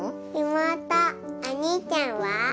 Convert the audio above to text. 妹お兄ちゃんは？